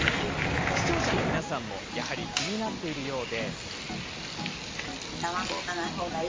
視聴者の皆さんもやはり気になっているようで。